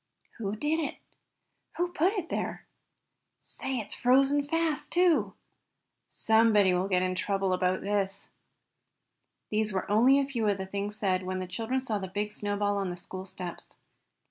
"Who did it?" "Who put it there?" "Say, it's frozen fast, too!" "Somebody will get into trouble about this." These were only a few of the things said when the children saw the big snowball on the school steps.